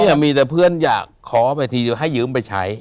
เนี่ยมีแต่เพื่อนอยากขอไปทีให้ยืมไปใช้